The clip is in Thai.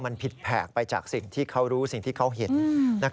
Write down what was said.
มันผิดแผกไปจากสิ่งที่เขารู้สิ่งที่เขาเห็น